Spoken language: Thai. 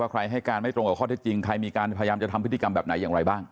ใครให้การไม่ตรงกับข้อเท็จจริงใครมีการพยายามจะทำพิธีกรรมแบบไหนอย่างไรบ้าง